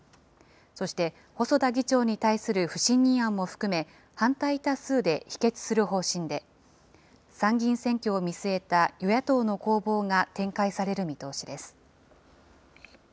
そして、細田議長に対する不信任案も含め、反対多数で否決する方針で、参議院選挙を見据えた与野党の攻防が展開される見通しです。